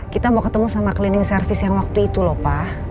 kita mau ketemu sama cleaning service yang waktu itu lho pak